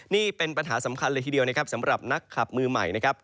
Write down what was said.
นี่เป็นปัญหาสำคัญเลยทีเดียวนะครับสำหรับนักขับมือใหม่นะครับ